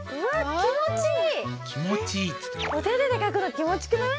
気持ちいい！